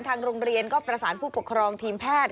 ทางโรงเรียนก็ประสานผู้ปกครองทีมแพทย์